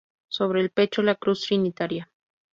Sobre el pecho la cruz trinitaria.